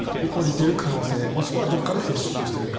降りている可能性もしくはどこかで接触しているか。